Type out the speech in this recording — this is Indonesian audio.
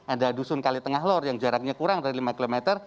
ada dusun kali tengah lor yang jaraknya kurang dari lima km